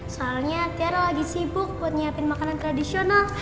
soalnya tiara lagi sibuk buat nyiapin makanan tradisional